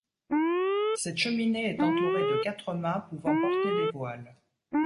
Cette cheminée est entourée de quatre mâts pouvant porter des voiles.